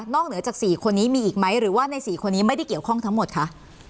เหนือจาก๔คนนี้มีอีกไหมหรือว่าใน๔คนนี้ไม่ได้เกี่ยวข้องทั้งหมดคะ